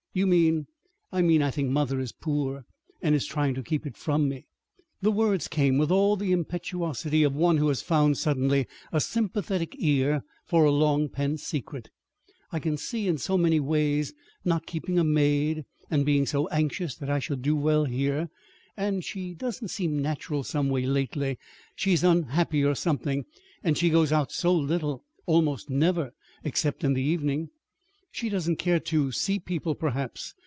"You mean " "I mean I think mother is is poor, and is trying to keep it from me." The words came with all the impetuosity of one who has found suddenly a sympathetic ear for a long pent secret. "I can see it in so many ways not keeping a maid, and being so so anxious that I shall do well here. And and she doesn't seem natural, some way, lately. She's unhappy, or something. And she goes out so little almost never, except in the evening." "She doesn't care to to see people, perhaps."